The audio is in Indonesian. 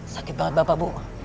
sakit banget bapak bu